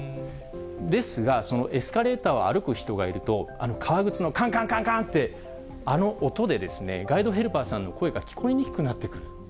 ですが、そのエスカレーターを歩く人がいると、革靴のかんかんかんかんって、あの音でですね、ガイドヘルパーさんの声が聞こえにくくなってくる。